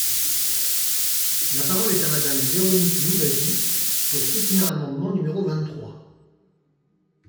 La parole est à Madame Véronique Louwagie, pour soutenir l’amendement numéro vingt-trois.